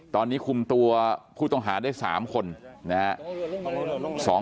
ตอนนี้คุมตัวผู้ต้องหาได้๓คนนะครับ